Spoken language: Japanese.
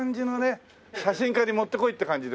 写真家にもってこいって感じで。